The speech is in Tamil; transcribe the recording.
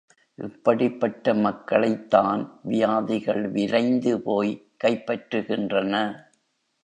இப்படிப்பட்ட மக்களைத் தான் வியாதிகள் விரைந்து போய் கைப்பற்றுகின்றன.